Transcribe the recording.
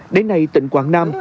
đến nay tỉnh quảng nam